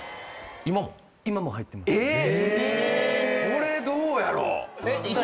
これどうやろ？